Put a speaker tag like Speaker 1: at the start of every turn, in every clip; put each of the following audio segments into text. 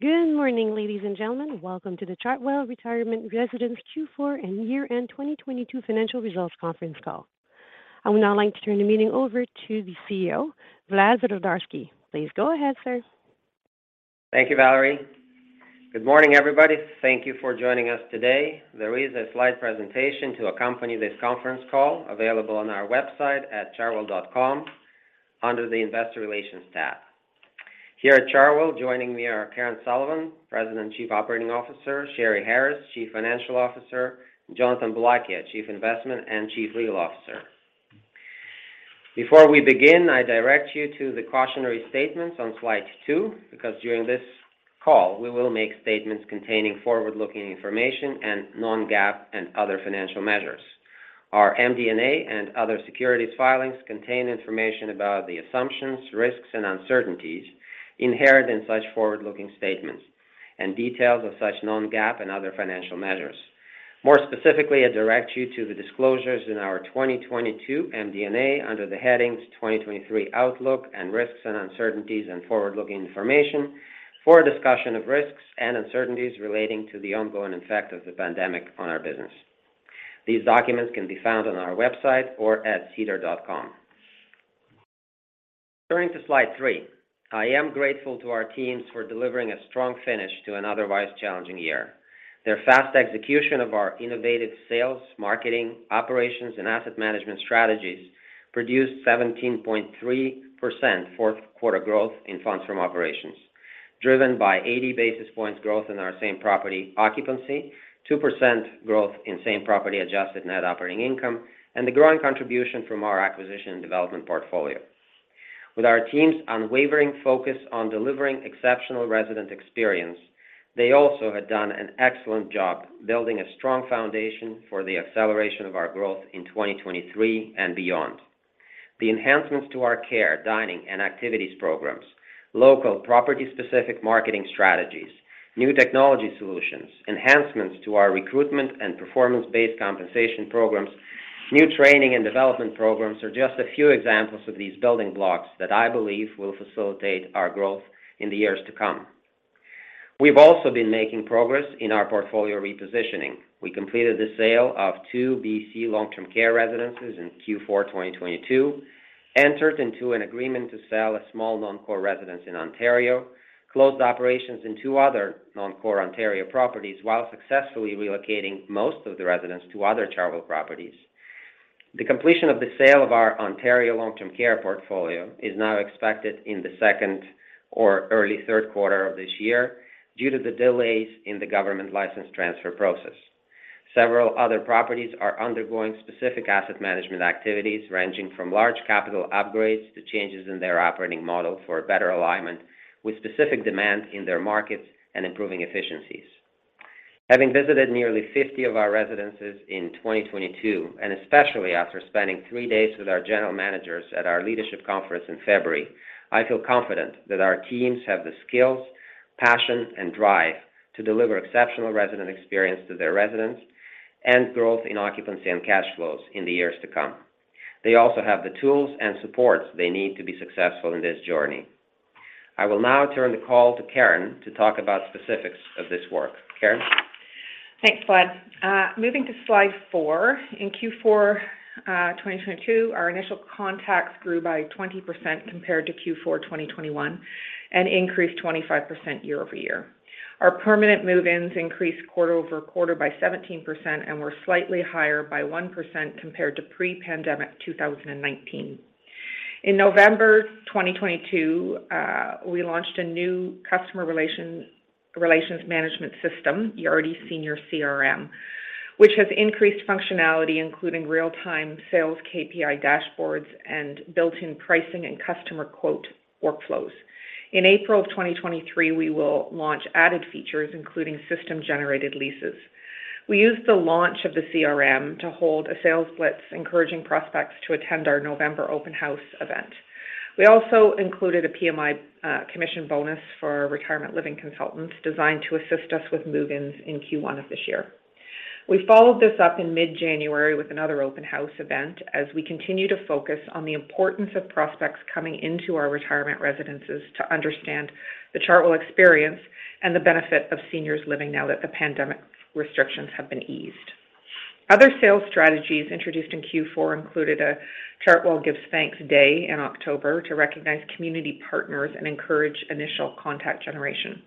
Speaker 1: Good morning, ladies and gentlemen. Welcome to the Chartwell Retirement Residences Q4 and year-end 2022 financial results conference call. I would now like to turn the meeting over to the CEO, Vlad Volodarski. Please go ahead, sir.
Speaker 2: Thank you, Valerie. Good morning, everybody. Thank you for joining us today. There is a slide presentation to accompany this conference call available on our website at chartwell.com under the Investor Relations tab. Here at Chartwell, joining me are Karen Sullivan, President and Chief Operating Officer, Sheri Harris, Chief Financial Officer, Jonathan Boulakia, Chief Investment and Chief Legal Officer. Before we begin, I direct you to the cautionary statements on slide 2, because during this call, we will make statements containing forward-looking information and non-GAAP and other financial measures. Our MD&A and other securities filings contain information about the assumptions, risks, and uncertainties inherent in such forward-looking statements and details of such non-GAAP and other financial measures. More specifically, I direct you to the disclosures in our 2022 MD&A under the headings "2023 Outlook" and "Risks and Uncertainties and Forward-Looking Information" for a discussion of risks and uncertainties relating to the ongoing effect of the pandemic on our business. These documents can be found on our website or at sedar.com. Turning to slide 3, I am grateful to our teams for delivering a strong finish to an otherwise challenging year. Their fast execution of our innovative sales, marketing, operations, and asset management strategies produced 17.3% fourth quarter growth in funds from operations, driven by 80 basis points growth in our same property occupancy, 2% growth in same property adjusted net operating income, and the growing contribution from our acquisition and development portfolio. With our team's unwavering focus on delivering exceptional resident experience, they also have done an excellent job building a strong foundation for the acceleration of our growth in 2023 and beyond. The enhancements to our care, dining, and activities programs, local property-specific marketing strategies, new technology solutions, enhancements to our recruitment and performance-based compensation programs, new training and development programs are just a few examples of these building blocks that I believe will facilitate our growth in the years to come. We've also been making progress in our portfolio repositioning. We completed the sale of 2 BC long-term care residences in Q4 2022, entered into an agreement to sell a small non-core residence in Ontario, closed operations in two other non-core Ontario properties while successfully relocating most of the residents to other Chartwell properties. The completion of the sale of our Ontario long-term care portfolio is now expected in the second or early third quarter of this year due to the delays in the government license transfer process. Several other properties are undergoing specific asset management activities, ranging from large capital upgrades to changes in their operating model for better alignment with specific demand in their markets and improving efficiencies. Having visited nearly 50 of our residences in 2022, and especially after spending three days with our general managers at our leadership conference in February, I feel confident that our teams have the skills, passion, and drive to deliver exceptional resident experience to their residents and growth in occupancy and cash flows in the years to come. They also have the tools and supports they need to be successful in this journey. I will now turn the call to Karen to talk about specifics of this work. Karen?
Speaker 3: Thanks, Vlad. Moving to slide 4. In Q4 2022, our initial contacts grew by 20% compared to Q4 2021, and increased 25% year-over-year. Our permanent move-ins increased quarter-over-quarter by 17% and were slightly higher by 1% compared to pre-pandemic 2019. In November 2022, we launched a new customer relations management system, Yardi Senior CRM, which has increased functionality, including real-time sales KPI dashboards and built-in pricing and customer quote workflows. In April 2023, we will launch added features, including system-generated leases. We used the launch of the CRM to hold a sales blitz, encouraging prospects to attend our November open house event. We also included a PMI commission bonus for our Retirement Living Consultants designed to assist us with move-ins in Q1 of this year. We followed this up in mid-January with another open house event as we continue to focus on the importance of prospects coming into our retirement residences to understand the Chartwell experience and the benefit of seniors living now that the pandemic restrictions have been eased. Other sales strategies introduced in Q4 included a Chartwell Gives Thanks Day in October to recognize community partners and encourage initial contact generation.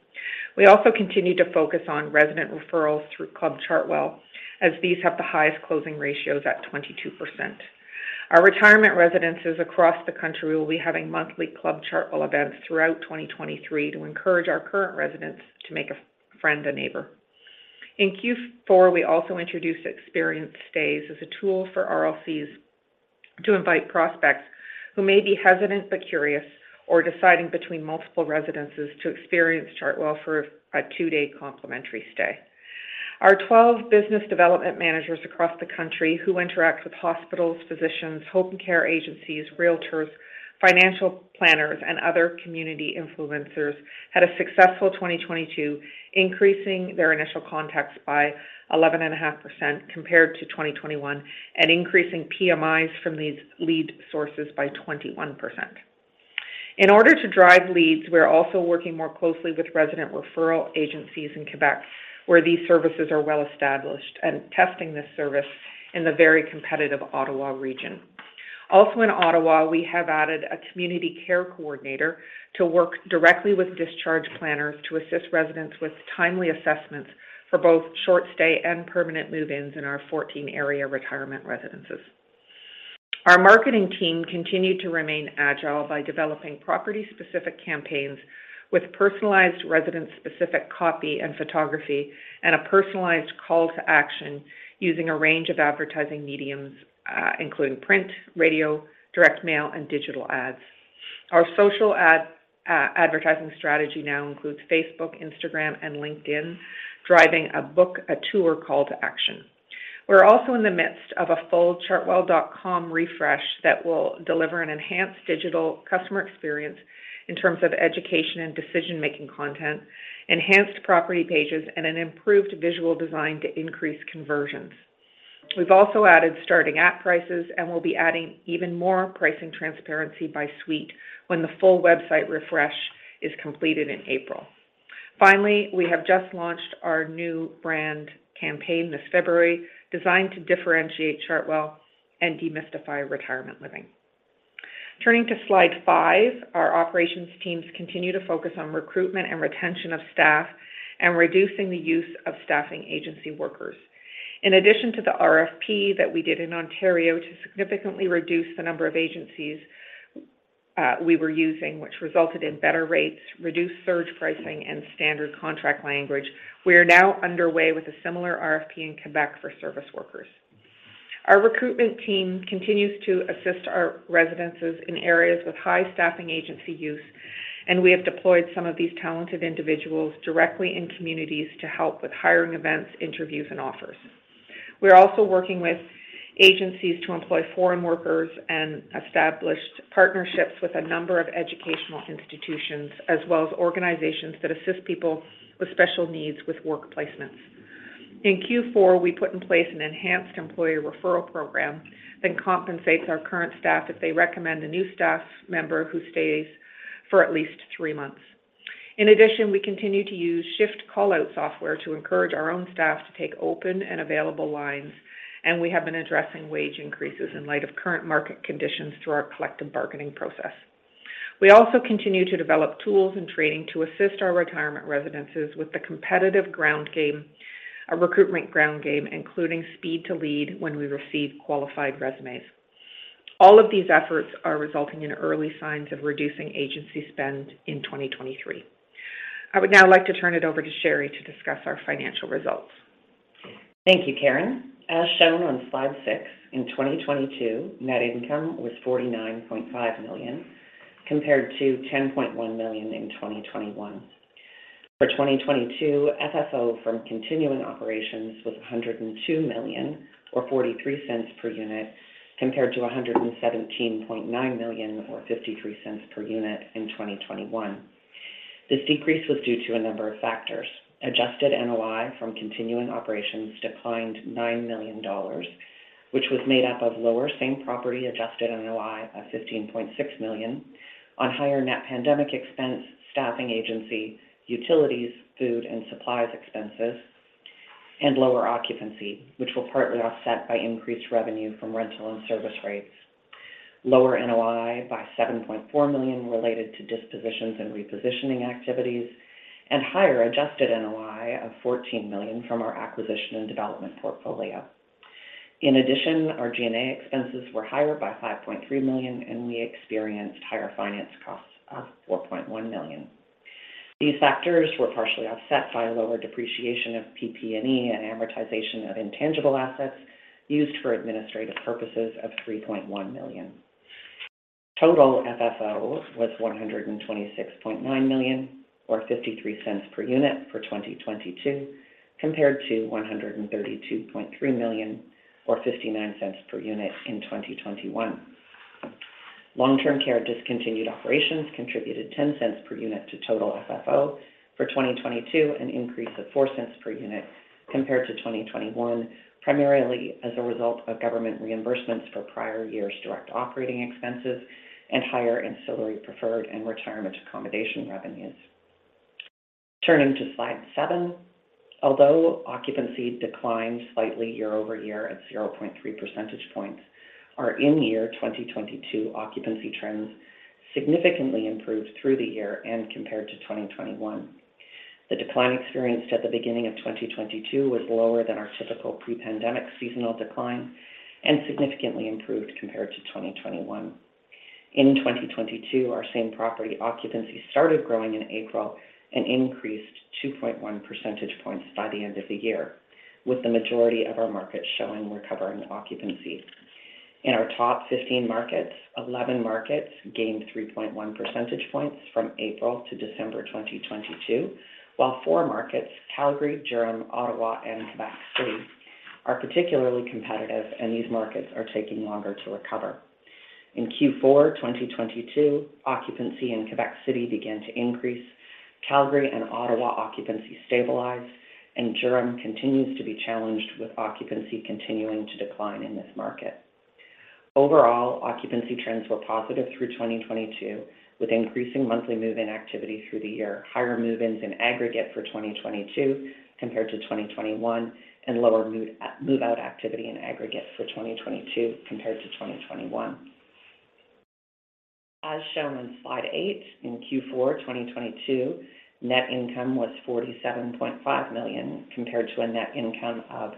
Speaker 3: We also continued to focus on resident referrals through Club Chartwell, as these have the highest closing ratios at 22%. Our retirement residences across the country will be having monthly Club Chartwell events throughout 2023 to encourage our current residents to make a friend, a neighbor. In Q4, we also introduced Experience Stays as a tool for RLCs to invite prospects who may be hesitant but curious or deciding between multiple residences to experience Chartwell for a two-day complimentary stay. Our 12 business development managers across the country who interact with hospitals, physicians, home care agencies, realtors, financial planners, and other community influencers had a successful 2022, increasing their initial contacts by 11.5% compared to 2021 and increasing PMIs from these lead sources by 21%. In order to drive leads, we're also working more closely with resident referral agencies in Quebec where these services are well established and testing this service in the very competitive Ottawa region. Also in Ottawa, we have added a community care coordinator to work directly with discharge planners to assist residents with timely assessments for both short stay and permanent move-ins in our 14 area retirement residences. Our marketing team continued to remain agile by developing property-specific campaigns with personalized resident-specific copy and photography and a personalized call to action using a range of advertising mediums, including print, radio, direct mail and digital ads. Our social ad advertising strategy now includes Facebook, Instagram and LinkedIn, driving a book, a tour call to action. We're also in the midst of a full chartwell.com refresh that will deliver an enhanced digital customer experience in terms of education and decision-making content, enhanced property pages and an improved visual design to increase conversions. We've also added starting-at prices, and we'll be adding even more pricing transparency by suite when the full website refresh is completed in April. Finally, we have just launched our new brand campaign this February designed to differentiate Chartwell and demystify retirement living. Turning to slide 5, our operations teams continue to focus on recruitment and retention of staff and reducing the use of staffing agency workers. In addition to the RFP that we did in Ontario to significantly reduce the number of agencies we were using, which resulted in better rates, reduced surge pricing and standard contract language, we are now underway with a similar RFP in Quebec for service workers. Our recruitment team continues to assist our residences in areas with high staffing agency use, and we have deployed some of these talented individuals directly in communities to help with hiring events, interviews and offers. We're also working with agencies to employ foreign workers and established partnerships with a number of educational institutions as well as organizations that assist people with special needs with work placements. In Q4, we put in place an enhanced employee referral program that compensates our current staff if they recommend a new staff member who stays for at least three months. In addition, we continue to use shift call out software to encourage our own staff to take open and available lines, and we have been addressing wage increases in light of current market conditions through our collective bargaining process. We also continue to develop tools and training to assist our retirement residences with the competitive recruitment ground game, including speed to lead when we receive qualified resumes. All of these efforts are resulting in early signs of reducing agency spend in 2023. I would now like to turn it over to Sheri to discuss our financial results.
Speaker 4: Thank you, Karen. As shown on slide 6, in 2022, net income was CAD 49.5 million compared to CAD 10.1 million in 2021. For 2022, FFO from continuing operations was 102 million or 0.43 per unit, compared to 117.9 million or 0.53 per unit in 2021. This decrease was due to a number of factors. Adjusted NOI from continuing operations declined 9 million dollars, which was made up of lower same property Adjusted NOI of 15.6 million on higher net pandemic expense, staffing agency, utilities, food and supplies expenses and lower occupancy, which were partly offset by increased revenue from rental and service rates. Lower NOI by 7.4 million related to dispositions and repositioning activities, and higher Adjusted NOI of 14 million from our acquisition and development portfolio. Our G&A expenses were higher by 5.3 million, and we experienced higher finance costs of 4.1 million. These factors were partially offset by lower depreciation of PP&E and amortization of intangible assets used for administrative purposes of 3.1 million. Total FFO was 126.9 million or 0.53 per unit for 2022, compared to 132.3 million or 0.59 per unit in 2021. Long-Term Care discontinued operations contributed 0.10 per unit to total FFO for 2022, an increase of 0.04 per unit compared to 2021, primarily as a result of government reimbursements for prior years direct operating expenses and higher ancillary preferred and retirement accommodation revenues. Turning to slide 7, although occupancy declined slightly year-over-year at 0.3 percentage points, our in 2022 occupancy trends significantly improved through the year and compared to 2021. The decline experienced at the beginning of 2022 was lower than our typical pre-pandemic seasonal decline and significantly improved compared to 2021. In 2022, our same property occupancy started growing in April and increased 2.1 percentage points by the end of the year, with the majority of our markets showing recovering occupancy. In our top 15 markets, 11 markets gained 3.1 percentage points from April to December 2022, while four markets, Calgary, Durham, Ottawa and Quebec City, are particularly competitive and these markets are taking longer to recover. In Q4 2022, occupancy in Quebec City began to increase. Calgary and Ottawa occupancy stabilized. Durham continues to be challenged with occupancy continuing to decline in this market. Overall, occupancy trends were positive through 2022, with increasing monthly move-in activity through the year, higher move-ins in aggregate for 2022 compared to 2021, and lower move-out activity in aggregate for 2022 compared to 2021. As shown in slide 8, in Q4 2022, net income was 47.5 million compared to a net income of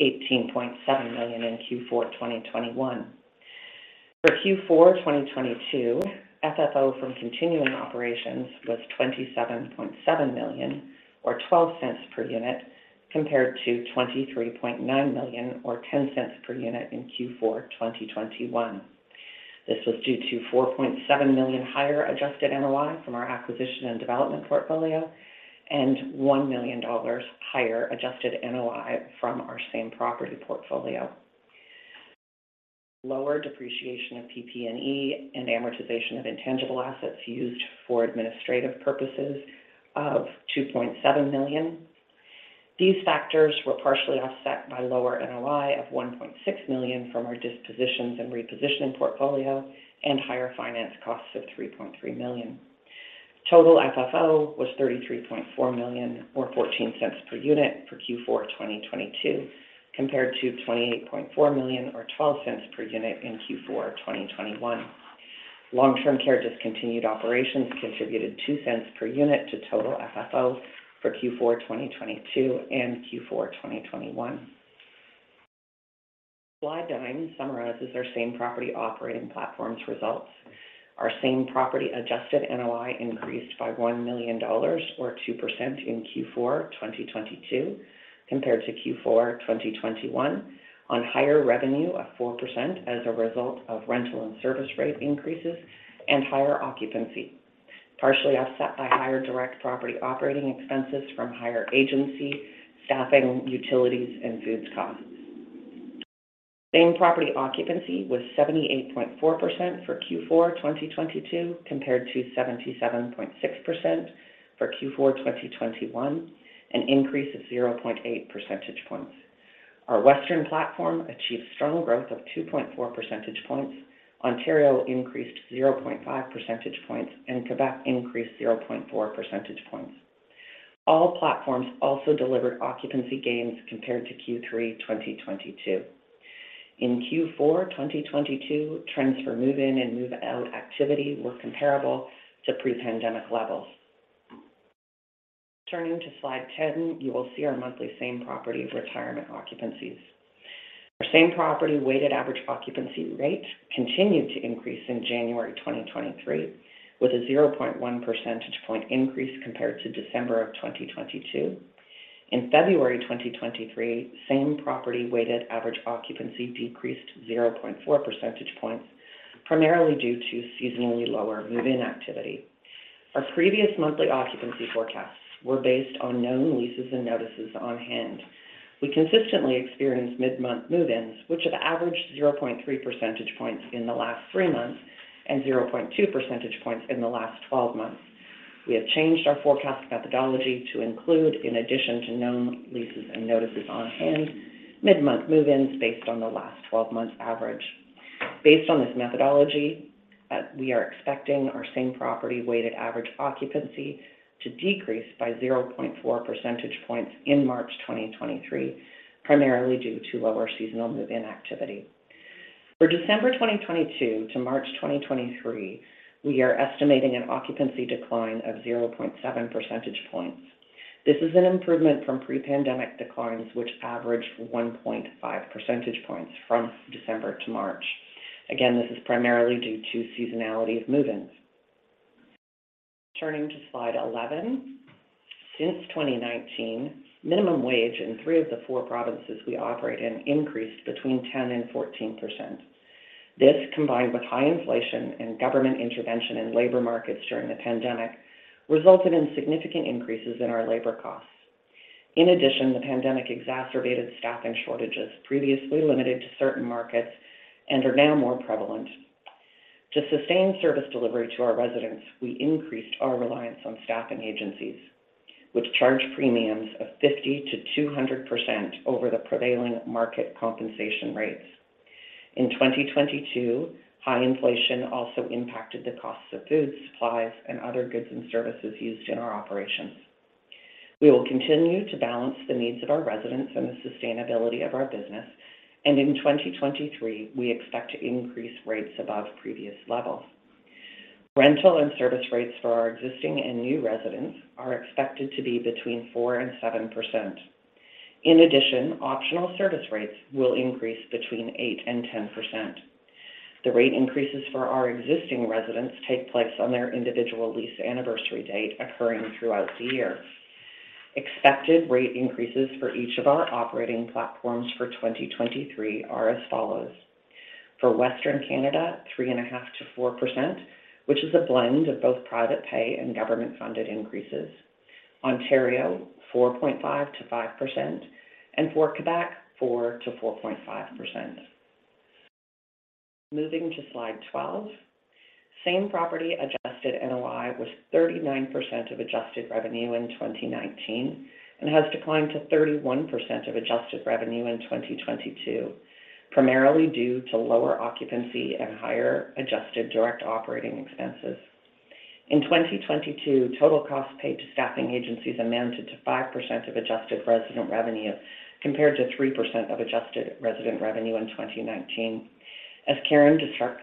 Speaker 4: 18.7 million in Q4 2021. For Q4 2022, FFO from continuing operations was 27.7 million or 0.12 per unit, compared to 23.9 million or 0.10 per unit in Q4 2021. This was due to 4.7 million higher Adjusted NOI from our acquisition and development portfolio and 1 million dollars higher Adjusted NOI from our same property portfolio. Lower depreciation of PP&E and amortization of intangible assets used for administrative purposes of 2.7 million. These factors were partially offset by lower NOI of 1.6 million from our dispositions and repositioning portfolio and higher finance costs of 3.3 million. Total FFO was 33.4 million or 0.14 per unit for Q4 2022, compared to 28.4 million or 0.12 per unit in Q4 2021. Long-Term Care discontinued operations contributed 0.02 per unit to total FFO for Q4 2022 and Q4 2021. Slide 9 summarizes our same property operating platform's results. Our same property Adjusted NOI increased by 1 million dollars or 2% in Q4 2022 compared to Q4 2021 on higher revenue of 4% as a result of rental and service rate increases and higher occupancy, partially offset by higher direct property operating expenses from higher agency, staffing, utilities, and foods costs. Same property occupancy was 78.4% for Q4 2022 compared to 77.6% for Q4 2021, an increase of 0.8 percentage points. Our Western platform achieved strong growth of 2.4 percentage points. Ontario increased 0.5 percentage points, and Quebec increased 0.4 percentage points. All platforms also delivered occupancy gains compared to Q3 2022. In Q4 2022, trends for move-in and move-out activity were comparable to pre-pandemic levels. Turning to slide 10, you will see our monthly same property retirement occupancies. Our same property weighted average occupancy rate continued to increase in January 2023, with a 0.1 percentage point increase compared to December of 2022. In February 2023, same property weighted average occupancy decreased 0.4 percentage points, primarily due to seasonally lower move-in activity. Our previous monthly occupancy forecasts were based on known leases and notices on hand. We consistently experienced mid-month move-ins, which have averaged 0.3 percentage points in the last three months and 0.2 percentage points in the last 12 months. We have changed our forecast methodology to include, in addition to known leases and notices on hand, mid-month move-ins based on the last 12 months average. Based on this methodology, we are expecting our same property weighted average occupancy to decrease by 0.4 percentage points in March 2023, primarily due to lower seasonal move-in activity. For December 2022 to March 2023, we are estimating an occupancy decline of 0.7 percentage points. This is an improvement from pre-pandemic declines, which averaged 1.5 percentage points from December to March. Again, this is primarily due to seasonality of move-ins. Turning to slide 11, since 2019, minimum wage in three of the four provinces we operate in increased between 10% and 14%. This, combined with high inflation and government intervention in labor markets during the pandemic, resulted in significant increases in our labor costs. In addition, the pandemic exacerbated staffing shortages previously limited to certain markets and are now more prevalent. To sustain service delivery to our residents, we increased our reliance on staffing agencies, which charge premiums of 50%-200% over the prevailing market compensation rates. In 2022, high inflation also impacted the cost of food, supplies, and other goods and services used in our operations. We will continue to balance the needs of our residents and the sustainability of our business. In 2023, we expect to increase rates above previous levels. Rental and service rates for our existing and new residents are expected to be between 4%-7%. In addition, optional service rates will increase between 8%-10%. The rate increases for our existing residents take place on their individual lease anniversary date occurring throughout the year. Expected rate increases for each of our operating platforms for 2023 are as follows. For Western Canada, 3.5%-4%, which is a blend of both private pay and government funded increases. Ontario, 4.5%-5%. For Quebec, 4%-4.5%. Moving to slide 12. Same property Adjusted NOI was 39% of adjusted revenue in 2019. Has declined to 31% of adjusted revenue in 2022, primarily due to lower occupancy and higher adjusted direct operating expenses. In 2022, total costs paid to staffing agencies amounted to 5% of adjusted resident revenue compared to 3% of adjusted resident revenue in 2019. As Karen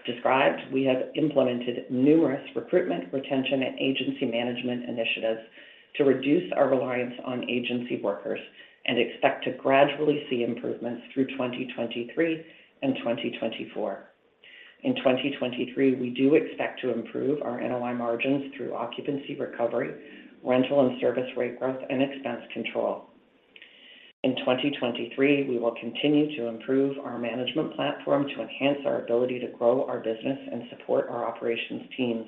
Speaker 4: described, we have implemented numerous recruitment, retention, and agency management initiatives to reduce our reliance on agency workers and expect to gradually see improvements through 2023 and 2024. In 2023, we do expect to improve our NOI margins through occupancy recovery, rental and service rate growth, and expense control. In 2023, we will continue to improve our management platform to enhance our ability to grow our business and support our operations teams.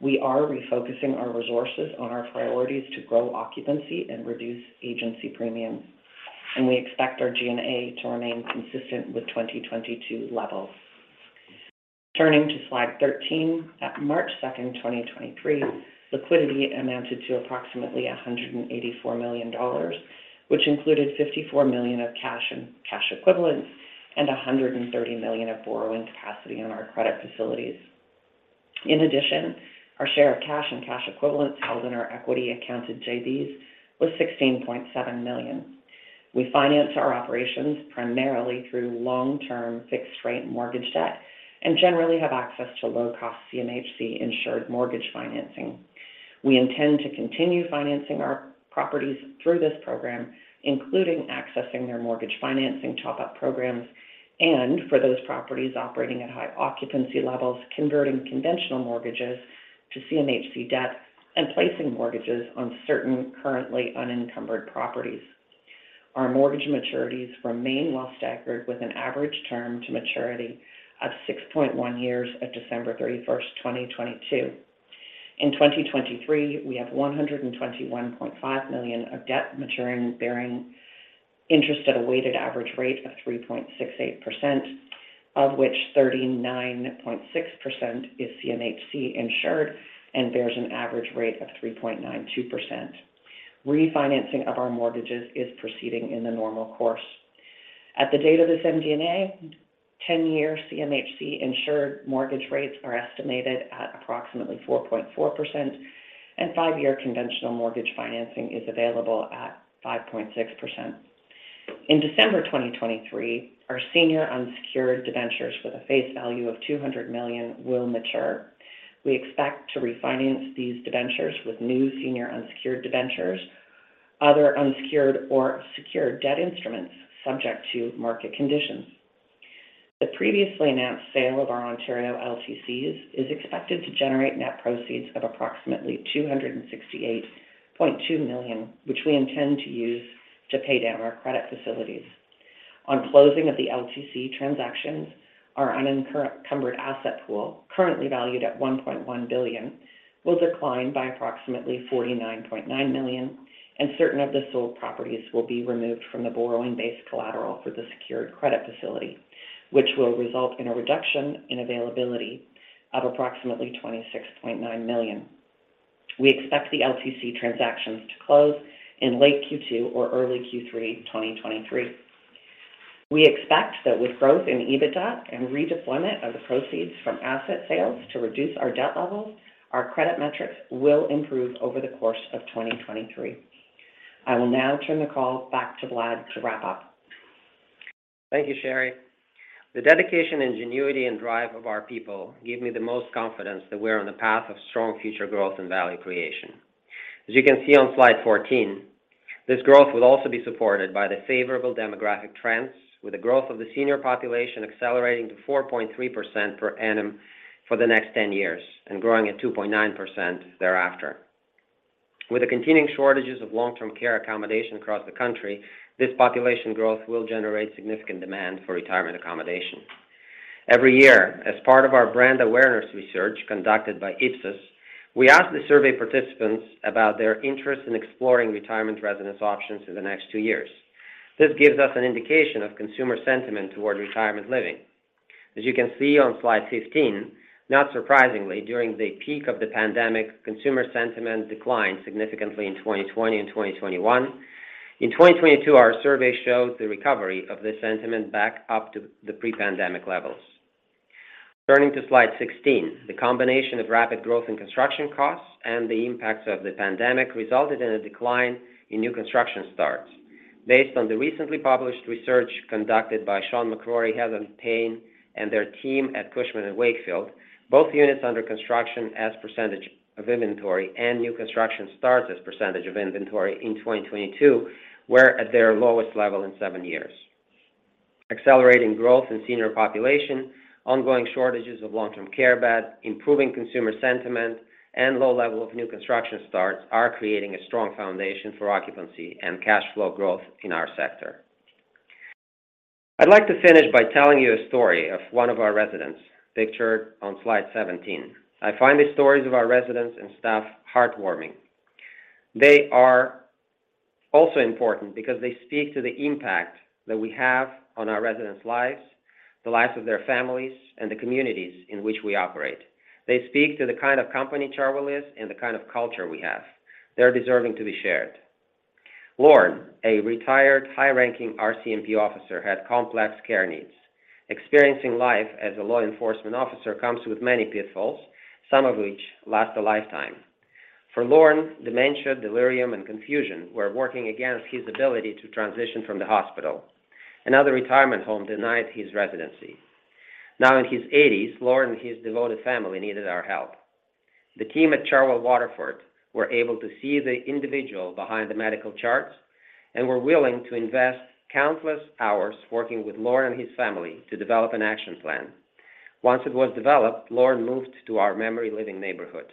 Speaker 4: We are refocusing our resources on our priorities to grow occupancy and reduce agency premiums, and we expect our G&A to remain consistent with 2022 levels. Turning to slide 13. At March 2nd, 2023, liquidity amounted to approximately 184 million dollars, which included 54 million of cash and cash equivalents and 130 million of borrowing capacity on our credit facilities. In addition, our share of cash and cash equivalents held in our equity accounted JVs was 16.7 million. We finance our operations primarily through long-term fixed rate mortgage debt, and generally have access to low cost CMHC insured mortgage financing. We intend to continue financing our properties through this program, including accessing their mortgage financing top-up programs and for those properties operating at high occupancy levels, converting conventional mortgages to CMHC debt and placing mortgages on certain currently unencumbered properties. Our mortgage maturities remain well staggered with an average term to maturity of 6.1 years at December 31, 2022. In 2023, we have $121.5 million of debt maturing, bearing interest at a weighted average rate of 3.68%, of which 39.6% is CMHC insured and bears an average rate of 3.92%. Refinancing of our mortgages is proceeding in the normal course. At the date of this MD&A, 10-year CMHC insured mortgage rates are estimated at approximately 4.4%, and five-year conventional mortgage financing is available at 5.6%. In December 2023, our senior unsecured debentures with a face value of 200 million will mature. We expect to refinance these debentures with new senior unsecured debentures, other unsecured or secured debt instruments subject to market conditions. The previously announced sale of our Ontario LTCs is expected to generate net proceeds of approximately 268.2 million, which we intend to use to pay down our credit facilities. On closing of the LTC transactions, our unencumbered asset pool, currently valued at 1.1 billion, will decline by approximately 49.9 million, and certain of the sold properties will be removed from the borrowing base collateral for the secured credit facility, which will result in a reduction in availability of approximately 26.9 million. We expect the LTC transactions to close in late Q2 or early Q3 2023. We expect that with growth in EBITDA and redeployment of the proceeds from asset sales to reduce our debt levels, our credit metrics will improve over the course of 2023. I will now turn the call back to Vlad to wrap up.
Speaker 2: Thank you, Sheri. The dedication, ingenuity, and drive of our people give me the most confidence that we're on the path of strong future growth and value creation. As you can see on slide 14, this growth will also be supported by the favorable demographic trends with the growth of the senior population accelerating to 4.3% per annum for the next 10 years and growing at 2.9% thereafter. With the continuing shortages of long-term care accommodation across the country, this population growth will generate significant demand for retirement accommodation. Every year, as part of our brand awareness research conducted by Ipsos, we ask the survey participants about their interest in exploring retirement residence options in the next 2 years. This gives us an indication of consumer sentiment toward retirement living. As you can see on slide 15, not surprisingly, during the peak of the pandemic, consumer sentiment declined significantly in 2020 and 2021. In 2022, our survey showed the recovery of this sentiment back up to the pre-pandemic levels. Turning to slide 16. The combination of rapid growth in construction costs and the impacts of the pandemic resulted in a decline in new construction starts. Based on the recently published research conducted by Sean MacLeod, Heather Butler, and their team at Cushman & Wakefield, both units under construction as percentage of inventory and new construction starts as percentage of inventory in 2022 were at their lowest level in seven years. Accelerating growth in senior population, ongoing shortages of long-term care beds, improving consumer sentiment, and low level of new construction starts are creating a strong foundation for occupancy and cash flow growth in our sector. I'd like to finish by telling you a story of one of our residents pictured on slide 17. I find the stories of our residents and staff heartwarming. They are also important because they speak to the impact that we have on our residents' lives, the lives of their families, and the communities in which we operate. They speak to the kind of company Chartwell is and the kind of culture we have. They're deserving to be shared. Lorne, a retired high-ranking RCMP officer, had complex care needs. Experiencing life as a law enforcement officer comes with many pitfalls, some of which last a lifetime. For Lorne, dementia, delirium, and confusion were working against his ability to transition from the hospital. Another retirement home denied his residency. Now in his 80s, Lorne and his devoted family needed our help. The team at Chartwell Waterford were able to see the individual behind the medical charts and were willing to invest countless hours working with Lorne and his family to develop an action plan. Once it was developed, Lorne moved to our memory living neighborhood.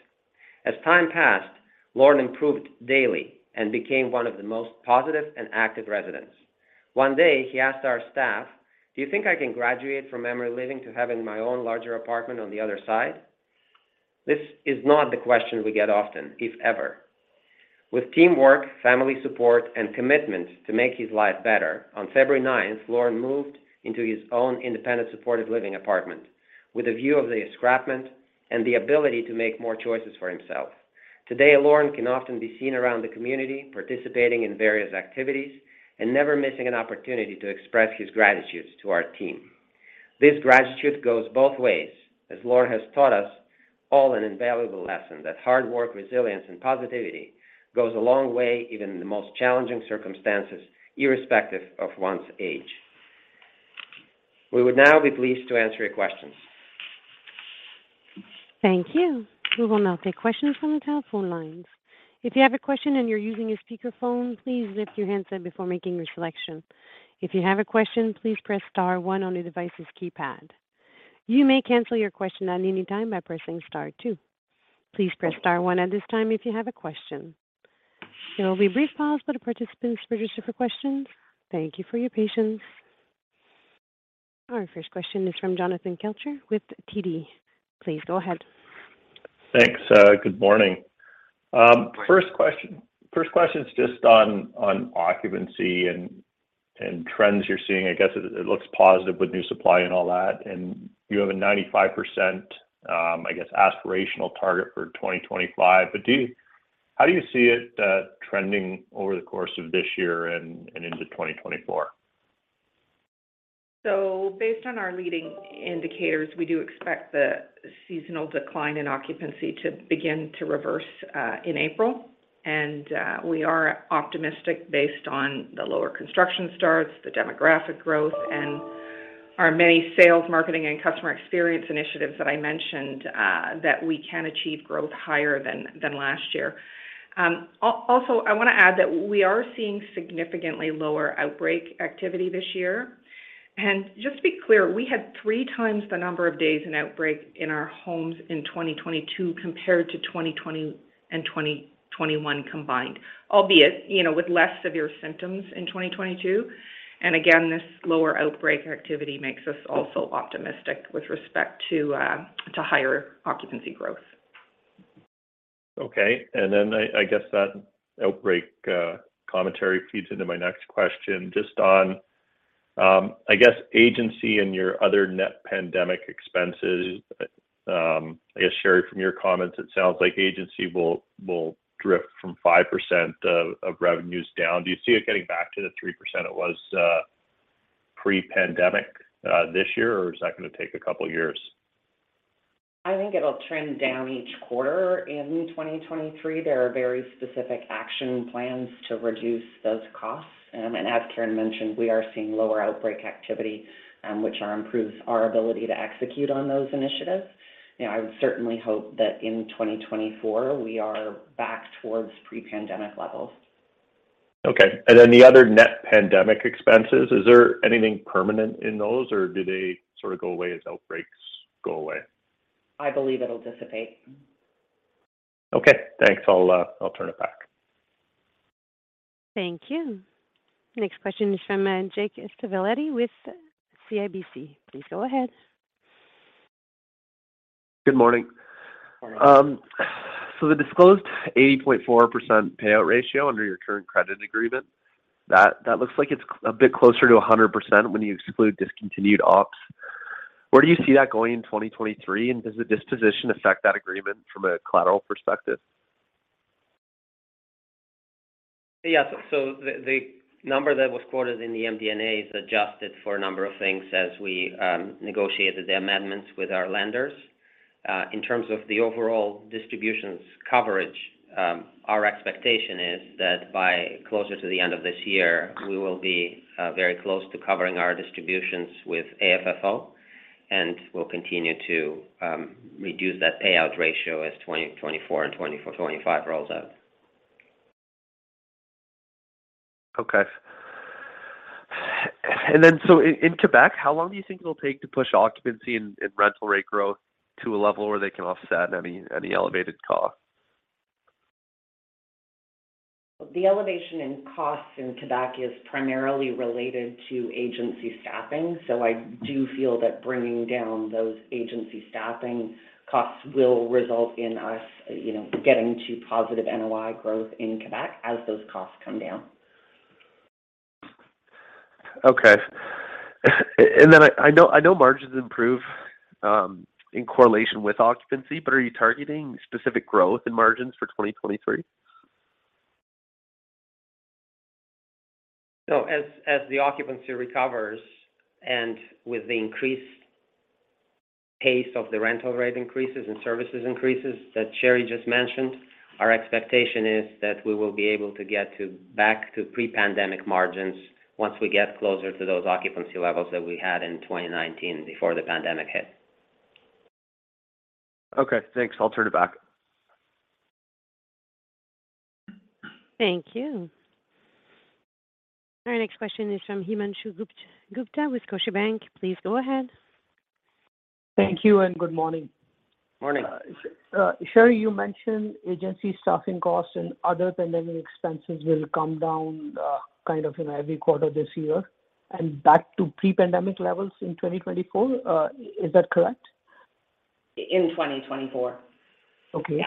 Speaker 2: As time passed, Lorne improved daily and became one of the most positive and active residents. One day, he asked our staff, "Do you think I can graduate from memory living to having my own larger apartment on the other side?" This is not the question we get often, if ever. With teamwork, family support, and commitment to make his life better, on February ninth, Lorne moved into his own independent supportive living apartment with a view of the escarpment and the ability to make more choices for himself. Today, Lorne can often be seen around the community, participating in various activities and never missing an opportunity to express his gratitude to our team. This gratitude goes both ways, as Lorne has taught us all an invaluable lesson that hard work, resilience, and positivity goes a long way, even in the most challenging circumstances, irrespective of one's age. We would now be pleased to answer your questions.
Speaker 1: Thank you. We will now take questions from the telephone lines. If you have a question and you're using a speakerphone, please lift your handset before making your selection. If you have a question, please press star one on your device's keypad. You may cancel your question at any time by pressing star two. Please press star one at this time if you have a question. There will be a brief pause for the participants registered for questions. Thank you for your patience. Our first question is from Jonathan Kelcher with TD. Please go ahead.
Speaker 5: Thanks. Good morning. First question is just on occupancy and trends you're seeing? I guess it looks positive with new supply and all that. You have a 95%, I guess, aspirational target for 2025. How do you see it trending over the course of this year and into 2024?
Speaker 3: Based on our leading indicators, we do expect the seasonal decline in occupancy to begin to reverse in April. We are optimistic based on the lower construction starts, the demographic growth, and our many sales, marketing, and customer experience initiatives that I mentioned that we can achieve growth higher than last year. Also, I wanna add that we are seeing significantly lower outbreak activity this year. Just to be clear, we had 3x the number of days in outbreak in our homes in 2022 compared to 2020 and 2021 combined, albeit, you know, with less severe symptoms in 2022. Again, this lower outbreak activity makes us also optimistic with respect to higher occupancy growth.
Speaker 5: Okay. I guess that outbreak commentary feeds into my next question just on, I guess, agency and your other net pandemic expenses. I guess, Sheri, from your comments, it sounds like agency will drift from 5% of revenues down. Do you see it getting back to the 3% it was pre-pandemic this year, or is that gonna take a couple years?
Speaker 4: I think it'll trend down each quarter in 2023. There are very specific action plans to reduce those costs. As Karen mentioned, we are seeing lower outbreak activity, which improves our ability to execute on those initiatives. You know, I would certainly hope that in 2024, we are back towards pre-pandemic levels.
Speaker 5: Okay. The other net pandemic expenses, is there anything permanent in those, or do they sort of go away as outbreaks go away?
Speaker 4: I believe it'll dissipate.
Speaker 5: Okay. Thanks. I'll turn it back.
Speaker 1: Thank you. Next question is from Dean Wilkinson with CIBC. Please go ahead.
Speaker 6: Good morning.
Speaker 2: Morning.
Speaker 6: The disclosed 80.4% payout ratio under your current credit agreement, that looks like it's a bit closer to 100% when you exclude discontinued ops. Where do you see that going in 2023, and does the disposition affect that agreement from a collateral perspective?
Speaker 2: The number that was quoted in the MD&A is adjusted for a number of things as we negotiated the amendments with our lenders. In terms of the overall distributions coverage, our expectation is that by closer to the end of this year, we will be very close to covering our distributions with AFFO, and we'll continue to reduce that payout ratio as 2024 and 2025 rolls out.
Speaker 6: Okay. In Quebec, how long do you think it'll take to push occupancy and rental rate growth to a level where they can offset any elevated costs?
Speaker 4: The elevation in costs in Quebec is primarily related to agency staffing. I do feel that bringing down those agency staffing costs will result in us, you know, getting to positive NOI growth in Quebec as those costs come down.
Speaker 6: Okay. I know margins improve in correlation with occupancy, but are you targeting specific growth in margins for 2023?
Speaker 2: As the occupancy recovers and with the increased pace of the rental rate increases and services increases that Sheri just mentioned, our expectation is that we will be able to get to back to pre-pandemic margins once we get closer to those occupancy levels that we had in 2019 before the pandemic hit.
Speaker 6: Okay. Thanks. I'll turn it back.
Speaker 1: Thank you. Our next question is from Himanshu Gupta with Scotiabank. Please go ahead.
Speaker 7: Thank you and good morning.
Speaker 2: Morning.
Speaker 7: Sheri, you mentioned agency staffing costs and other pandemic expenses will come down, kind of in every quarter this year and back to pre-pandemic levels in 2024. Is that correct?
Speaker 4: In 2024.
Speaker 7: Okay.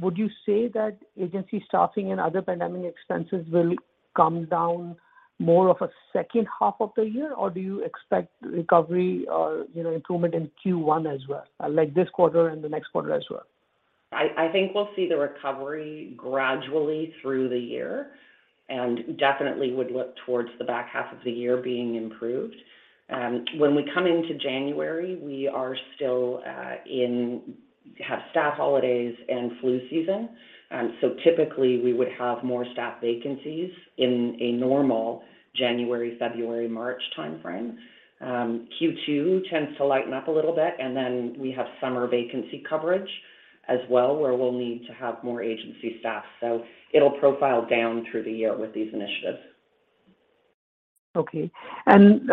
Speaker 7: Would you say that agency staffing and other pandemic expenses will come down more of a second half of the year, or do you expect recovery or, you know, improvement in Q1 as well, like this quarter and the next quarter as well?
Speaker 4: I think we'll see the recovery gradually through the year, and definitely would look towards the back half of the year being improved. When we come into January, we are still have staff holidays and flu season. Typically we would have more staff vacancies in a normal January, February, March timeframe. Q2 tends to lighten up a little bit, and then we have summer vacancy coverage as well, where we'll need to have more agency staff. It'll profile down through the year with these initiatives.
Speaker 7: Okay. When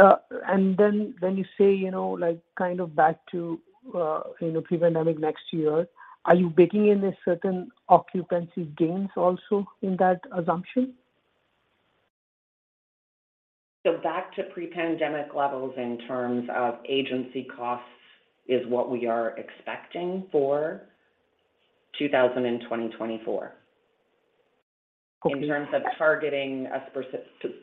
Speaker 7: you say, you know, like, kind of back to, you know, pre-pandemic next year, are you baking in a certain occupancy gains also in that assumption?
Speaker 4: Back to pre-pandemic levels in terms of agency costs is what we are expecting for 2024.
Speaker 7: Okay.
Speaker 4: In terms of targeting a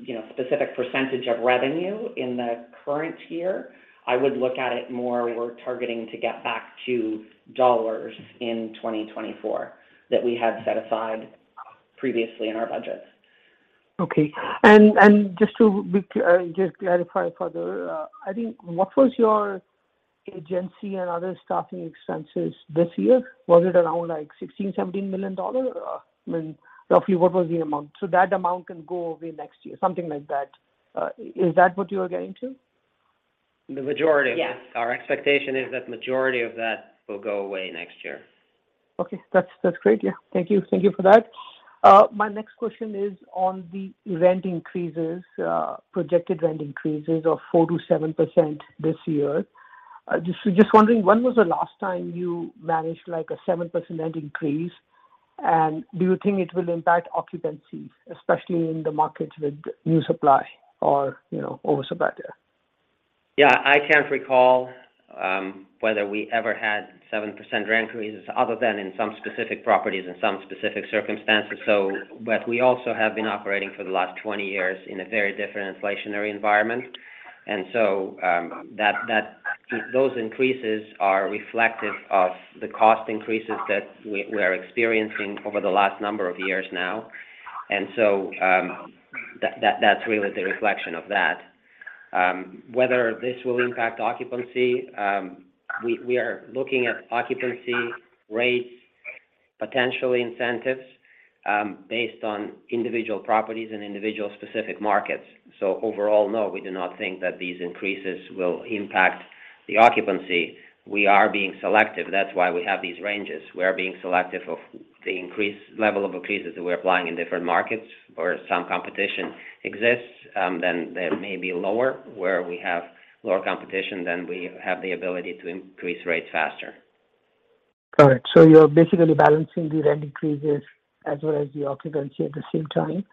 Speaker 4: you know, specific percentage of revenue in the current year, I would look at it more we're targeting to get back to dollars in 2024 that we had set aside previously in our budgets.
Speaker 7: Okay. Just clarify further, I think what was your agency and other staffing expenses this year? Was it around like 16 million-17 million dollar? I mean, roughly what was the amount? That amount can go away next year, something like that. Is that what you are getting to?
Speaker 2: The majority of it.
Speaker 4: Yes.
Speaker 2: Our expectation is that majority of that will go away next year.
Speaker 7: Okay. That's great. Yeah. Thank you. Thank you for that. My next question is on the rent increases, projected rent increases of 4%-7% this year. Just wondering when was the last time you managed like a 7% rent increase? Do you think it will impact occupancies, especially in the markets with new supply or, you know, oversupply?
Speaker 2: Yeah. I can't recall, whether we ever had 7% rent increases other than in some specific properties in some specific circumstances. But we also have been operating for the last 20 years in a very different inflationary environment. Those increases are reflective of the cost increases that we are experiencing over the last number of years now. That's really the reflection of that. Whether this will impact occupancy, we are looking at occupancy rates, potential incentives, based on individual properties and individual specific markets. Overall, no, we do not think that these increases will impact the occupancy. We are being selective. That's why we have these ranges. We are being selective of the level of increases that we're applying in different markets. Where some competition exists, they may be lower. Where we have lower competition, we have the ability to increase rates faster.
Speaker 7: Alright. So you're basically balancing the rent increases as well as the occupancy at the same time.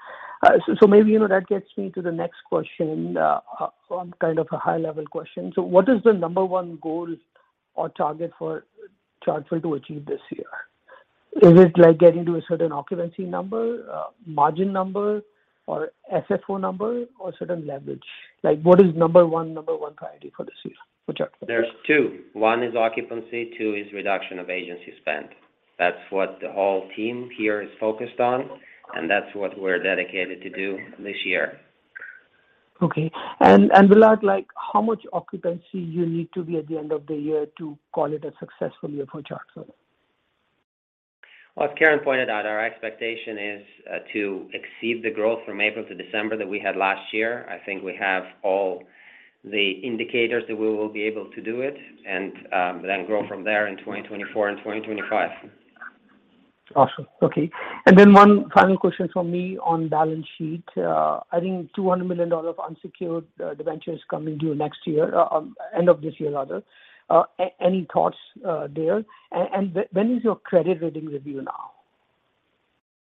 Speaker 7: So maybe you know that gets me to the next question on kind of a high level question. So what is the number one goal or target for Chartwell to achieve this year? Is it like getting into a certain occupancy number, margin number, or SFO number, or certain levels like, what is number one, number one priority for the season?
Speaker 2: There's two. One is occupancy, two is reduction of agency spend. That's what the whole team here is focused on, and that's what we're dedicated to do this year.
Speaker 7: Okay. Vlad, like, how much occupancy you need to be at the end of the year to call it a success for the approach of it?
Speaker 2: As Karen pointed out, our expectation is to exceed the growth from April to December that we had last year. I think we have all the indicators that we will be able to do it and then grow from there in 2024 and 2025.
Speaker 7: Awesome. Okay. One final question from me on balance sheet. I think 200 million dollars of unsecured debentures coming due next year, end of this year rather. Any thoughts there? When is your credit rating review now?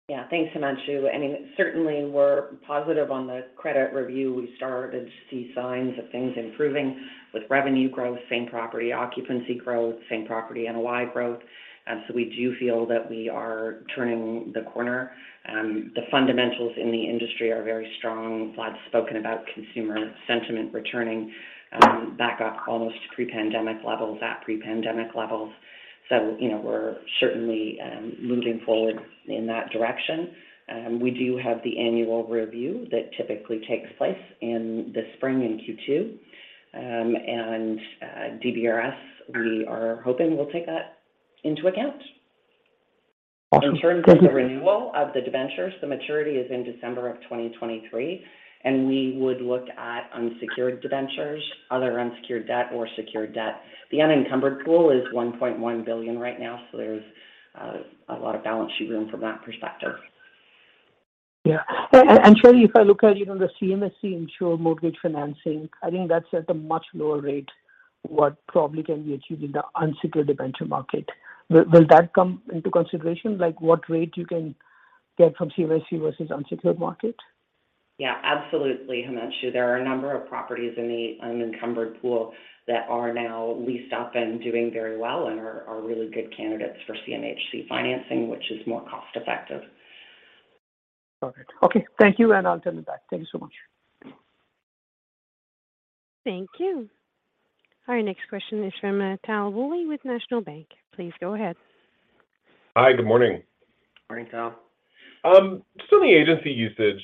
Speaker 4: Yeah. Thanks, Himanshu. I mean, certainly we're positive on the credit review. We started to see signs of things improving with revenue growth, same property occupancy growth, same property NOI growth. We do feel that we are turning the corner. The fundamentals in the industry are very strong. Vlad's spoken about consumer sentiment returning, back up almost to pre-pandemic levels, at pre-pandemic levels. You know, we're certainly moving forward in that direction. We do have the annual review that typically takes place in the spring in Q2. DBRS, we are hoping will take that into account. In terms of the renewal of the debentures, the maturity is in December of 2023, and we would look at unsecured debentures, other unsecured debt or secured debt. The unencumbered pool is 1.1 billion right now, so there's a lot of balance sheet room from that perspective.
Speaker 7: Yeah. Sheri, if I look at, you know, the CMHC insured mortgage financing, I think that's at a much lower rate what probably can be achieved in the unsecured debenture market. Will that come into consideration, like what rate you can get from CMHC versus unsecured market?
Speaker 4: Yeah, absolutely, Himanshu. There are a number of properties in the unencumbered pool that are now leased up and doing very well and are really good candidates for CMHC financing, which is more cost effective.
Speaker 7: Perfect. Okay. Thank you, and I'll turn it back. Thank you so much.
Speaker 1: Thank you. Our next question is from Tal Woolley with National Bank. Please go ahead.
Speaker 8: Hi, good morning.
Speaker 2: Morning, Tal.
Speaker 8: Just on the agency usage,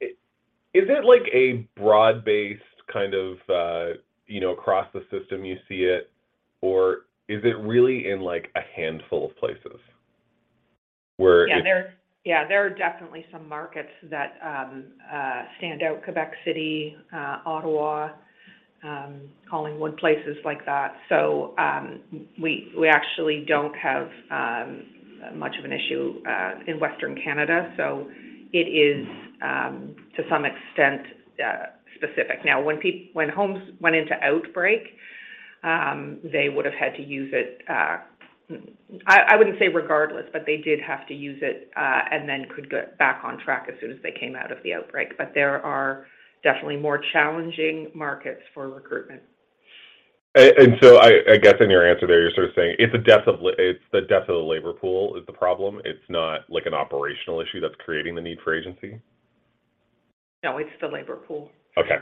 Speaker 8: is it like a broad-based kind of, you know, across the system you see it, or is it really in like a handful of places where it...
Speaker 4: Yeah, there are definitely some markets that stand out, Quebec City, Ottawa, Collingwood, places like that. We actually don't have much of an issue in Western Canada, so it is to some extent specific. When homes went into outbreak, they would have had to use it. I wouldn't say regardless, but they did have to use it, and then could get back on track as soon as they came out of the outbreak. There are definitely more challenging markets for recruitment.
Speaker 8: I guess in your answer there, you're sort of saying it's a depth of the labor pool is the problem. It's not like an operational issue that's creating the need for agency.
Speaker 4: No, it's the labor pool.
Speaker 8: Okay.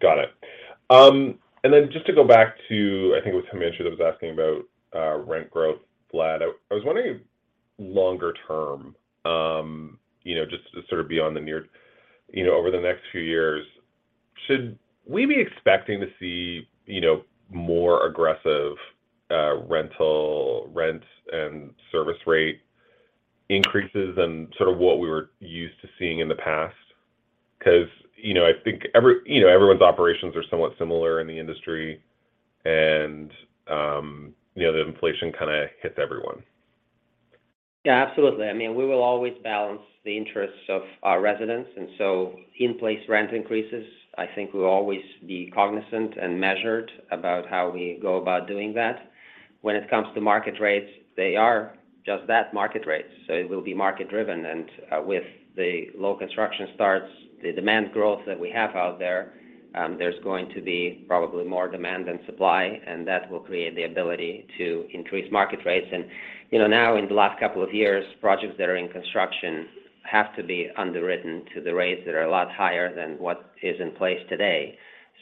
Speaker 8: Got it. Just to go back to, I think it was Himanshu that was asking about, rent growth, Vlad, I was wondering longer term, just to sort of be on the near, over the next few years, should we be expecting to see more aggressive rental rent and service rate increases than sort of what we were used to seeing in the past? I think everyone's operations are somewhat similar in the industry and the inflation kind of hits everyone.
Speaker 2: Yeah, absolutely. I mean, we will always balance the interests of our residents. In-place rent increases, I think we'll always be cognizant and measured about how we go about doing that. When it comes to market rates, they are just that, market rates. It will be market driven, and with the low construction starts, the demand growth that we have out there's going to be probably more demand than supply, and that will create the ability to increase market rates. You know, now in the last couple of years, projects that are in construction have to be underwritten to the rates that are a lot higher than what is in place today.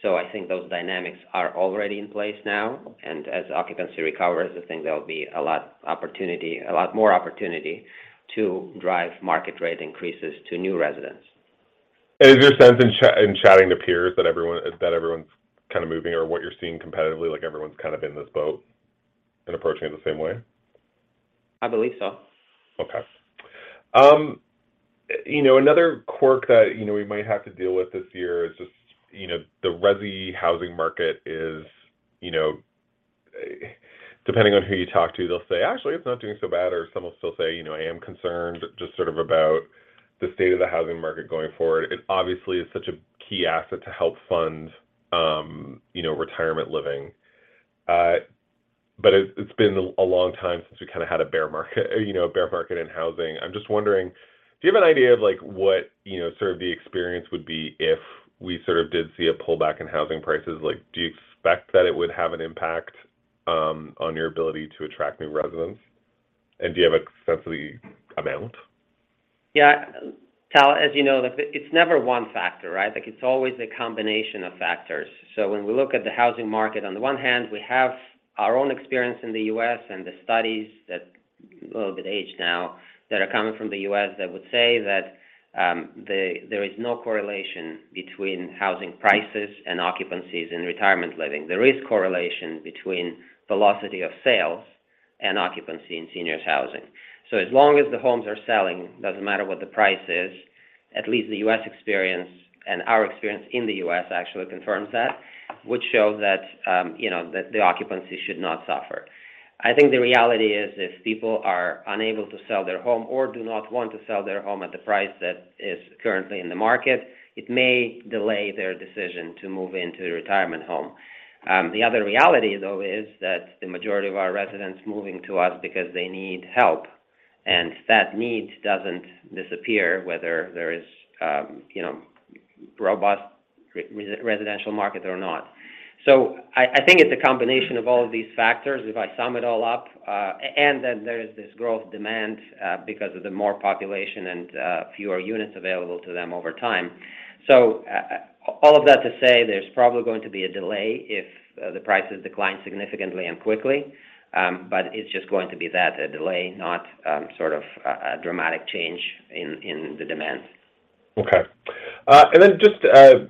Speaker 2: I think those dynamics are already in place now. As occupancy recovers, I think there'll be a lot more opportunity to drive market rate increases to new residents.
Speaker 8: Is your sense in chatting to peers that everyone's kind of moving or what you're seeing competitively, like everyone's kind of in this boat and approaching it the same way?
Speaker 2: I believe so.
Speaker 8: Okay. you know, another quirk that, you know, we might have to deal with this year is just, you know, the resi housing market is, you know, depending on who you talk to, they'll say, "Actually, it's not doing so bad," or some will still say, "You know, I am concerned just sort of about the state of the housing market going forward." It obviously is such a key asset to help fund, you know, retirement living. But it's been a long time since we kind of had a bear market, you know, a bear market in housing. I'm just wondering, do you have an idea of like what, you know, sort of the experience would be if we sort of did see a pullback in housing prices? Like, do you expect that it would have an impact on your ability to attract new residents? Do you have a sense of the amount?
Speaker 2: Tal, as you know, like, it's never one factor, right? Like, it's always a combination of factors. When we look at the housing market, on the one hand we have our own experience in the U.S. and the studies that, a little bit aged now, that are coming from the U.S. that would say that, there is no correlation between housing prices and occupancies in retirement living. There is correlation between velocity of sales and occupancy in seniors housing. As long as the homes are selling, doesn't matter what the price is, at least the U.S. experience and our experience in the U.S. actually confirms that, which shows that, you know, the occupancy should not suffer. I think the reality is if people are unable to sell their home or do not want to sell their home at the price that is currently in the market, it may delay their decision to move into a retirement home. The other reality, though, is that the majority of our residents moving to us because they need help, and that need doesn't disappear whether there is, you know, robust residential market or not. I think it's a combination of all of these factors. If I sum it all up, and then there is this growth demand because of the more population and fewer units available to them over time. All of that to say there's probably going to be a delay if the prices decline significantly and quickly. It's just going to be that, a delay, not, sort of a dramatic change in the demand.
Speaker 8: Okay. Just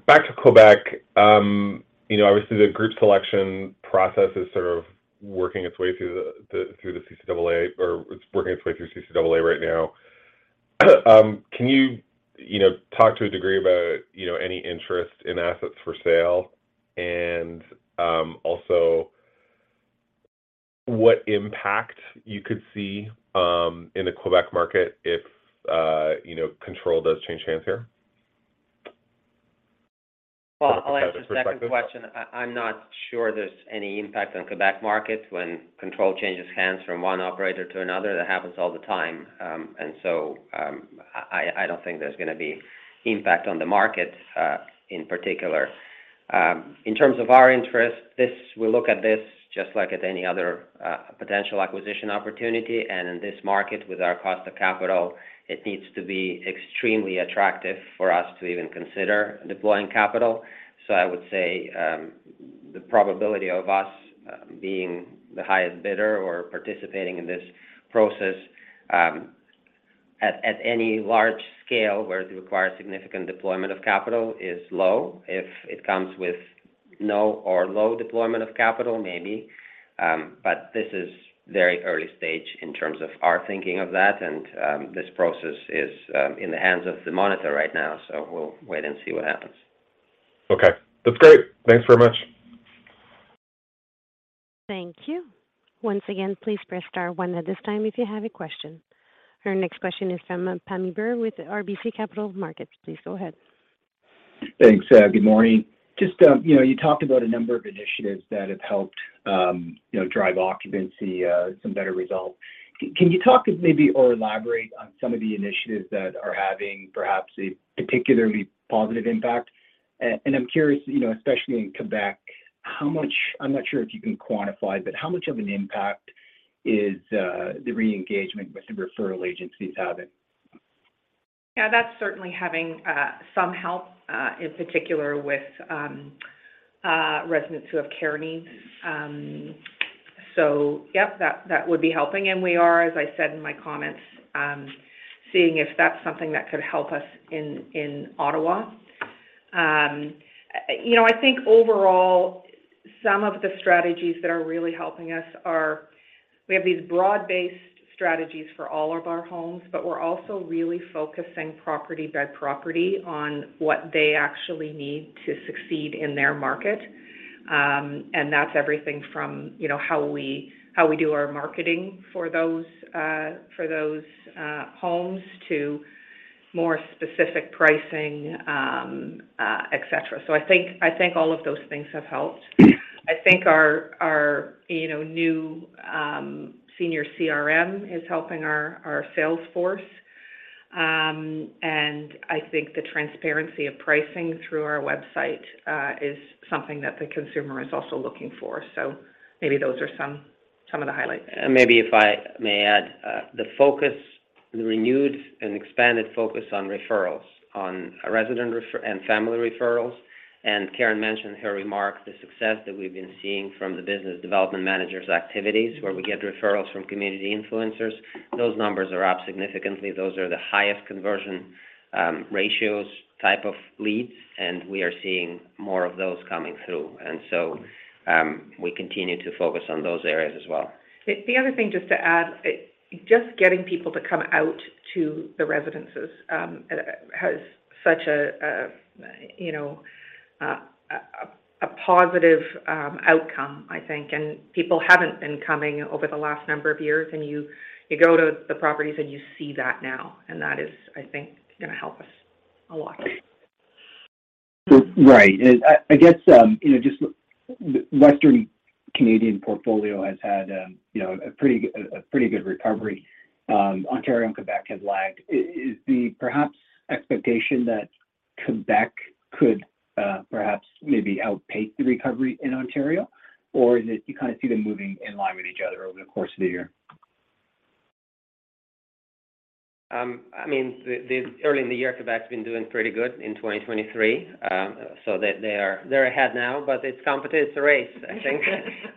Speaker 8: back to Quebec, you know, obviously the Groupe Sélection process is sort of working its way through CCAA right now. Can you know, talk to a degree about, you know, any interest in assets for sale? Also what impact you could see in the Quebec market if, you know, control does change hands here?
Speaker 2: Well, I'll answer the second question. I'm not sure there's any impact on Quebec markets when Groupe changes hands from one operator to another. That happens all the time. I don't think there's gonna be impact on the market in particular. In terms of our interest, we look at this just like at any other potential acquisition opportunity. In this market, with our cost of capital, it needs to be extremely attractive for us to even consider deploying capital. I would say, the probability of us being the highest bidder or participating in this process at any large scale where it requires significant deployment of capital is low. If it comes with no or low deployment of capital, maybe. This is very early stage in terms of our thinking of that. This process is in the hands of the monitor right now, so we'll wait and see what happens.
Speaker 8: Okay. That's great. Thanks very much.
Speaker 1: Thank you. Once again, please press star one at this time if you have a question. Our next question is from Pammi Bir with RBC Capital Markets. Please go ahead.
Speaker 9: Thanks. Good morning. Just, you know, you talked about a number of initiatives that have helped, you know, drive occupancy, some better results. Can you talk maybe or elaborate on some of the initiatives that are having perhaps a particularly positive impact? I'm curious, you know, especially in Quebec, how much... I'm not sure if you can quantify, but how much of an impact is the re-engagement with the referral agencies having?
Speaker 3: Yeah, that's certainly having some help, in particular with residents who have care needs. Yeah, that would be helping. We are, as I said in my comments, seeing if that's something that could help us in Ottawa. You know, I think overall, some of the strategies that are really helping us are we have these broad-based strategies for all of our homes, but we're also really focusing property by property on what they actually need to succeed in their market. And that's everything from, you know, how we do our marketing for those, for those homes to more specific pricing, et cetera. I think all of those things have helped. I think our, you know, new senior CRM is helping our sales force. I think the transparency of pricing through our website, is something that the consumer is also looking for. Maybe those are some of the highlights.
Speaker 2: Maybe if I may add, the focus, the renewed and expanded focus on referrals, on resident referrals and family referrals, and Karen mentioned her remark, the success that we've been seeing from the business development managers activities, where we get referrals from community influencers. Those numbers are up significantly. Those are the highest conversion, ratios type of leads, and we are seeing more of those coming through. So, we continue to focus on those areas as well.
Speaker 3: The other thing, just to add, just getting people to come out to the residences, has such a, you know, a positive outcome, I think. People haven't been coming over the last number of years, and you go to the properties and you see that now, and that is, I think, gonna help us a lot.
Speaker 9: Right. I guess, you know, just western Canadian portfolio has had, you know, a pretty good recovery. Ontario and Quebec have lagged. Is the perhaps expectation that Quebec could, perhaps maybe outpace the recovery in Ontario? Is it you kind of see them moving in line with each other over the course of the year?
Speaker 2: I mean, early in the year, Quebec's been doing pretty good in 2023. They, they are, they're ahead now, but it's competitive race, I think.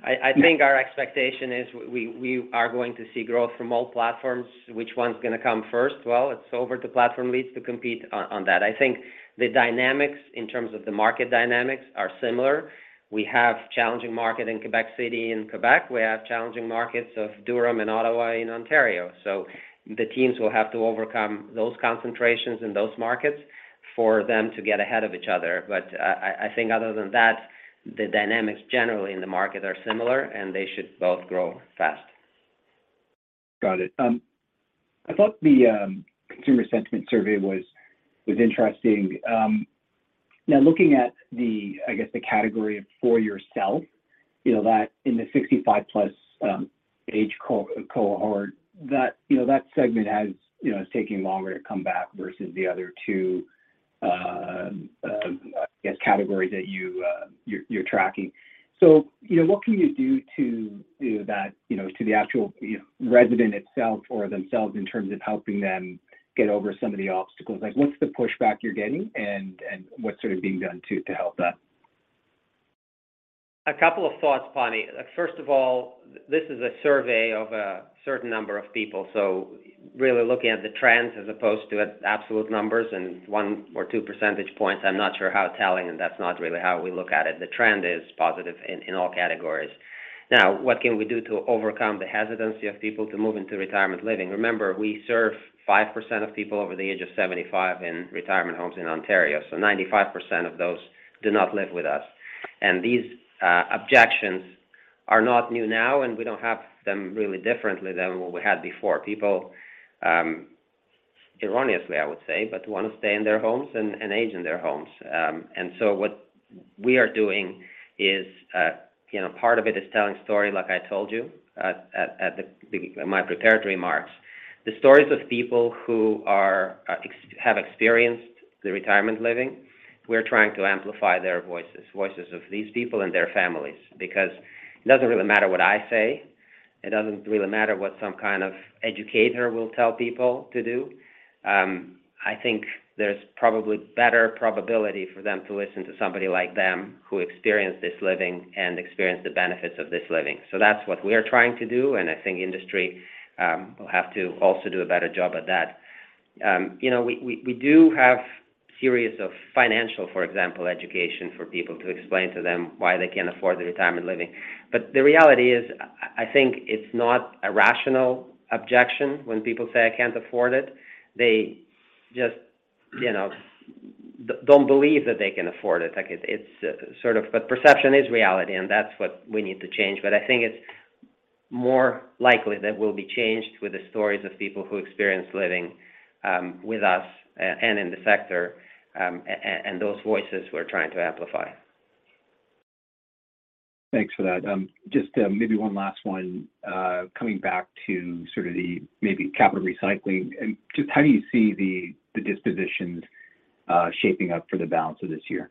Speaker 2: I think our expectation is we are going to see growth from all platforms. Which one's gonna come first? Well, it's over to platform leads to compete on that. I think the dynamics in terms of the market dynamics are similar. We have challenging market in Quebec City and Quebec. We have challenging markets of Durham and Ottawa in Ontario. The teams will have to overcome those concentrations in those markets for them to get ahead of each other. I think other than that, the dynamics generally in the market are similar, and they should both grow fast.
Speaker 9: Got it. I thought the consumer sentiment survey was interesting. Now looking at the, I guess, the category of You know, that in the 65+ age cohort, that, you know, that segment has, you know, is taking longer to come back versus the other two, I guess, categories that you're tracking. You know, what can you do to that, you know, to the actual resident itself or themselves in terms of helping them get over some of the obstacles? Like, what's the pushback you're getting, and what's sort of being done to help that?
Speaker 2: Couple of thoughts, Pammi. Like, first of all, this is a survey of a certain number of people, so really looking at the trends as opposed to absolute numbers, one or two percentage points, I'm not sure how telling. That's not really how we look at it. The trend is positive in all categories. What can we do to overcome the hesitancy of people to move into retirement living? Remember, we serve 5% of people over the age of 75 in retirement homes in Ontario, so 95% of those do not live with us. These objections are not new now. We don't have them really differently than what we had before. People, erroneously, I would say, but wanna stay in their homes and age in their homes. What we are doing is, you know, part of it is telling story, like I told you at my prepared remarks. The stories of people who have experienced the retirement living, we're trying to amplify their voices of these people and their families. It doesn't really matter what I say, it doesn't really matter what some kind of educator will tell people to do. I think there's probably better probability for them to listen to somebody like them who experienced this living and experienced the benefits of this living. That's what we are trying to do, and I think industry will have to also do a better job at that. You know, we do have series of financial, for example, education for people to explain to them why they can't afford the retirement living. The reality is I think it's not a rational objection when people say, "I can't afford it." They just, you know, don't believe that they can afford it. Like it's sort of. Perception is reality, and that's what we need to change. I think it's more likely that we'll be changed with the stories of people who experience living, with us and in the sector, and those voices we're trying to amplify.
Speaker 9: Thanks for that. Just, maybe one last one. Coming back to sort of the maybe capital recycling and just how do you see the dispositions shaping up for the balance of this year?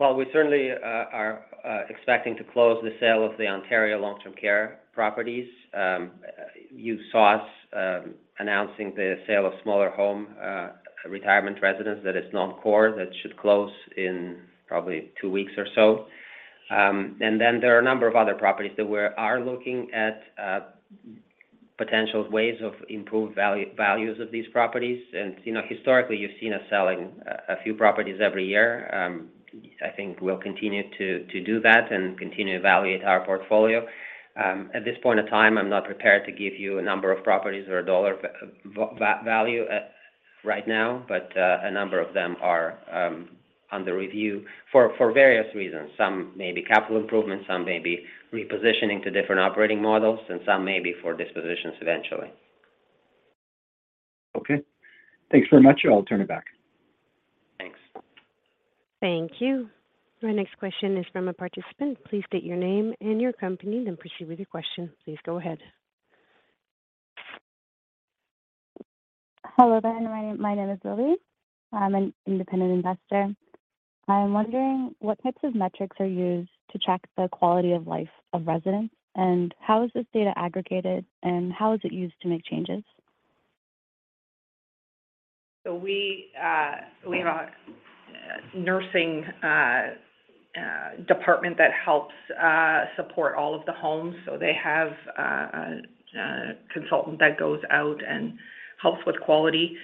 Speaker 2: Well, we certainly are expecting to close the sale of the Ontario long-term care properties. You saw us announcing the sale of smaller home, retirement residence that is non-core. That should close in probably two weeks or so. Then there are a number of other properties that we're looking at potential ways of improved value of these properties. You know, historically, you've seen us selling a few properties every year. I think we'll continue to do that and continue to evaluate our portfolio. At this point in time, I'm not prepared to give you a number of properties or a dollar value at right now, but a number of them are under review for various reasons. Some may be capital improvements, some may be repositioning to different operating models, and some may be for dispositions eventually.
Speaker 9: Okay. Thanks very much. I'll turn it back.
Speaker 2: Thanks.
Speaker 1: Thank you. My next question is from a participant. Please state your name and your company, then proceed with your question. Please go ahead.
Speaker 10: Hello there. My name is Lily. I'm an independent investor. I'm wondering what types of metrics are used to track the quality of life of residents, and how is this data aggregated, and how is it used to make changes?
Speaker 3: We have a nursing department that helps support all of the homes, so they have a consultant that goes out and helps with quality.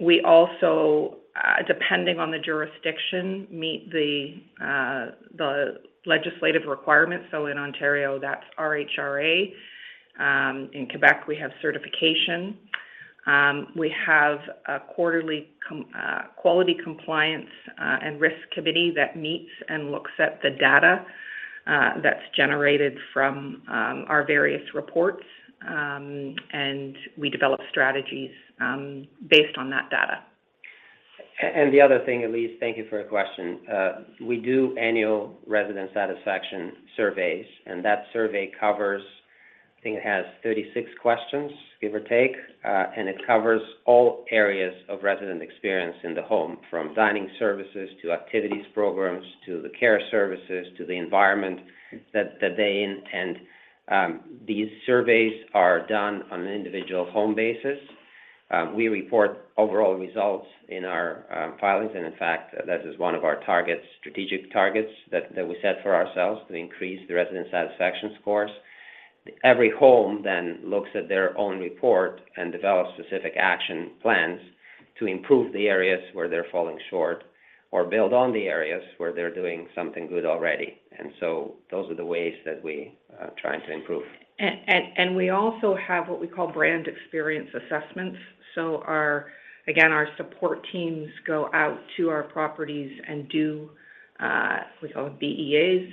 Speaker 3: We also, depending on the jurisdiction, meet the legislative requirements. In Ontario, that's RHRA. In Quebec, we have certification. We have a quarterly quality compliance and risk committee that meets and looks at the data that's generated from our various reports. We develop strategies based on that data.
Speaker 2: The other thing, Lily, thank you for your question. We do annual resident satisfaction surveys, that survey covers, I think it has 36 questions, give or take. It covers all areas of resident experience in the home, from dining services to activities programs to the care services to the environment that they. These surveys are done on an individual home basis. We report overall results in our filings, in fact, this is one of our targets, strategic targets that we set for ourselves to increase the resident satisfaction scores. Every home then looks at their own report and develops specific action plans to improve the areas where they're falling short or build on the areas where they're doing something good already. Those are the ways that we try to improve.
Speaker 3: We also have what we call brand experience assessments. Our, again, our support teams go out to our properties and do what we call BEAs,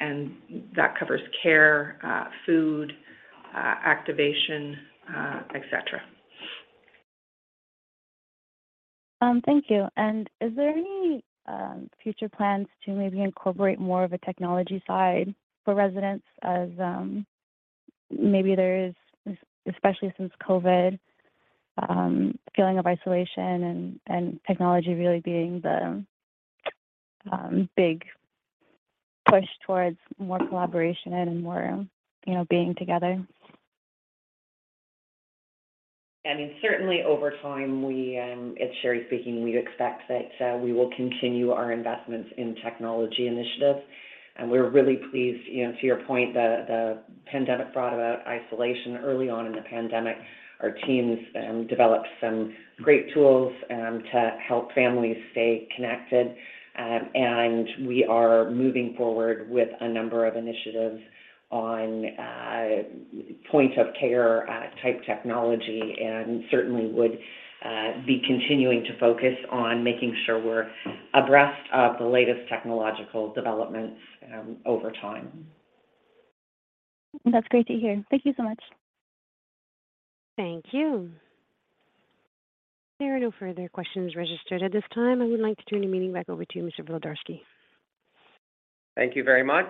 Speaker 3: and that covers care, food, activation, et cetera.
Speaker 10: Thank you. Is there any future plans to maybe incorporate more of a technology side for residents as, maybe there's especially since COVID, feeling of isolation and technology really being the big push towards more collaboration and more, you know, being together?
Speaker 4: I mean, certainly over time, we, it's Sheri speaking, we'd expect that we will continue our investments in technology initiatives. We're really pleased, you know, to your point, the pandemic brought about isolation early on in the pandemic. Our teams developed some great tools to help families stay connected. We are moving forward with a number of initiatives on point of care type technology and certainly would be continuing to focus on making sure we're abreast of the latest technological developments over time.
Speaker 10: That's great to hear. Thank you so much.
Speaker 1: Thank you. There are no further questions registered at this time. I would like to turn the meeting back over to you, Mr. Volodarski.
Speaker 2: Thank you very much.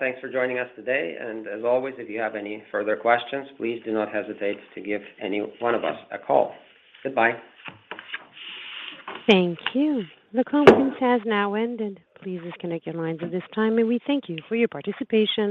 Speaker 2: Thanks for joining us today. As always, if you have any further questions, please do not hesitate to give any one of us a call. Goodbye.
Speaker 1: Thank you. The conference has now ended. Please disconnect your lines at this time, and we thank you for your participation.